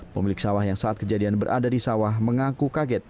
pemilik sawah yang saat kejadian berada di sawah mengaku kaget